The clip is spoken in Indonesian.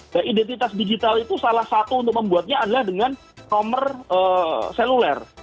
nah identitas digital itu salah satu untuk membuatnya adalah dengan nomor seluler